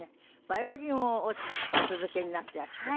ヴァイオリンをお続けになっていらして。